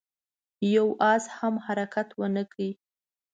يوه آس هم حرکت ونه کړ.